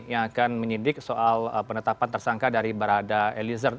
yang akan menyidik soal penetapan tersangka dari barada eliezer